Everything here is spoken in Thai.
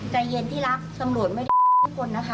ใจเย็นที่รักตำรวจไม่ได้ทุกคนนะคะ